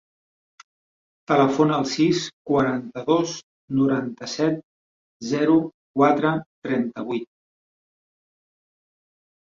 Telefona al sis, quaranta-dos, noranta-set, zero, quatre, trenta-vuit.